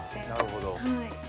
なるほど。